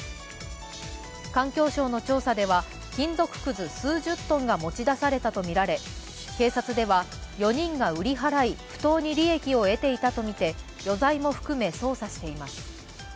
環境省の調査では、金属くず数十トンが持ち出されたとみられ、警察では４人が売り払い、不当に利益を得ていたとみて余罪も含め捜査しています。